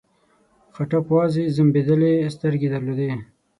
خاټک وازې ځمبېدلې سترګې درلودې.